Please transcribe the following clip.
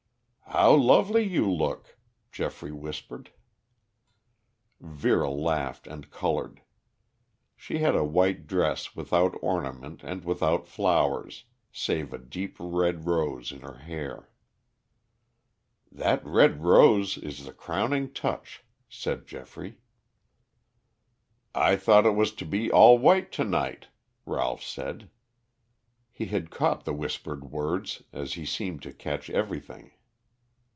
"How lovely you look," Geoffrey whispered. Vera laughed and colored. She had a white dress without ornament and without flowers, save a deep red rose in her hair. "That red rose is the crowning touch," said Geoffrey. "I thought it was to be all white to night," Ralph said. He had caught the whispered words, as he seemed to catch everything.